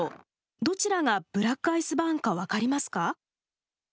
どちらがブラックアイスバーンか分かりますか。